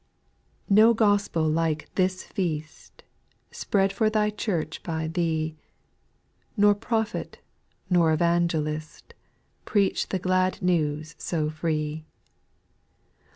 1. \[ O gospel like this feast il Spread for Thy Church by Thee Nor prophet, nor evangelist Preach the glad news so free.